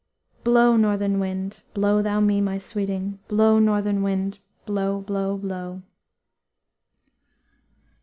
"Blow, northern wind, Blow thou me, my sweeting. Blow, northern wind, blow, blow, blow!"